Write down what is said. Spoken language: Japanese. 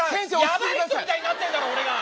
やばい人みたいになってるだろ俺が！